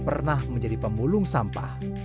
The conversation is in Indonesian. pernah menjadi pemulung sampah